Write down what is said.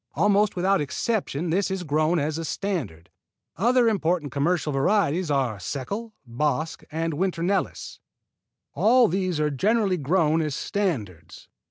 Almost without exception this is grown as a standard. Other important commercial varieties are Seckel, Bosc and Winter Nelis. All these are generally grown as standards.